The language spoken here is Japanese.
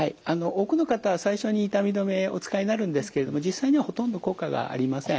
多くの方は最初に痛み止めをお使いになるんですけれども実際にはほとんど効果がありません。